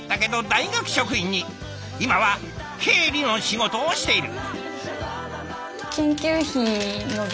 今は経理の仕事をしている。